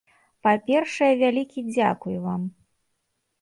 Па-першае, вялікі дзякуй вам.